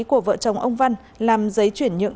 của vợ chồng ông văn làm giấy chuyển nhượng